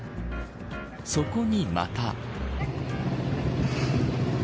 そこにまた。